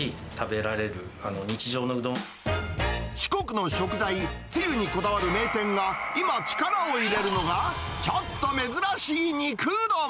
四国の食材、つゆにこだわる名店が、今、力を入れるのが、ちょっと珍しい肉うどん。